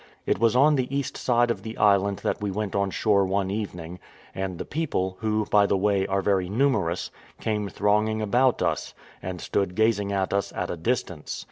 It was on the east side of the island that we went on shore one evening: and the people, who, by the way, are very numerous, came thronging about us, and stood gazing at us at a distance.